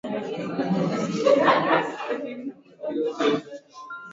aa msimu uliopita je unaweza ukazungumziaje